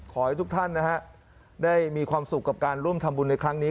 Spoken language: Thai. ขอให้ทุกท่านนะฮะได้มีความสุขกับการร่วมทำบุญในครั้งนี้